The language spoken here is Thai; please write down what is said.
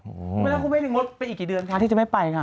ก็ไม่ได้แค่เอาไปไหนงดไปอีกกี่เดือนถ้าที่จะไม่ไป